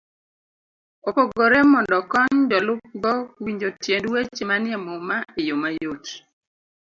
opogore mondo okony jolupgo winjo tiend weche manie Muma e yo mayot.